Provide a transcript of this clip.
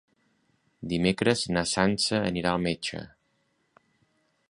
Dimecres na Sança anirà al metge.